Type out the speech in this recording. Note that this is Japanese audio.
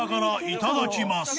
いただきます。